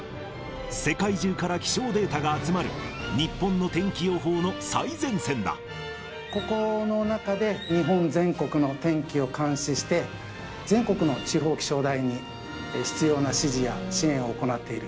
世界中から気象データが集まる、ここの中で、日本全国の天気を監視して、全国の地方気象台に必要な指示や支援を行っている。